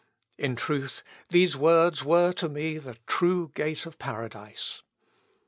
In truth, these words were to me the true gate of paradise."